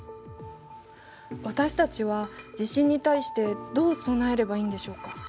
私たちは地震に対してどう備えればいいんでしょうか？